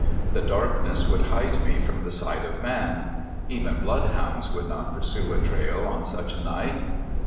The darkness would hide me from the sight of man. Even blood hounds would not pursue a trail on such a night.